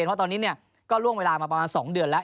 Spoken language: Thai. เพราะตอนนี้ก็ล่วงเวลามาประมาณ๒เดือนแล้ว